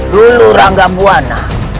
dulu rangga buwana